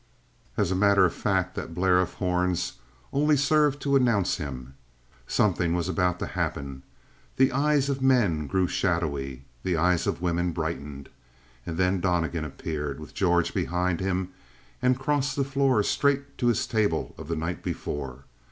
As a matter of fact that blare of horns only served to announce him. Something was about to happen; the eyes of men grew shadowy; the eyes of women brightened. And then Donnegan appeared, with George behind him, and crossed the floor straight to his table of the night before.